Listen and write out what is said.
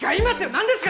何ですか？